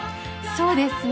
そうですね。